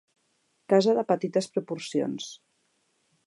Casa de petites proporcions.